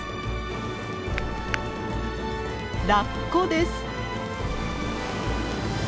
ラッコです。